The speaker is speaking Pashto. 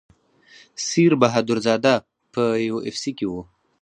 سیر بهادر زاده په یو اف سي کې و.